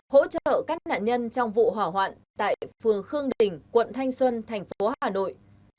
hỗ trợ các nạn nhân trong vụ hỏa hoạn tại phường khương đình quận thanh xuân tp hà nội